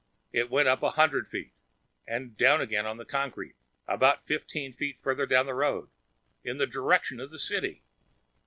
It went up a hundred feet. And down again on the concrete, about fifteen feet further down the road. In the direction of the city.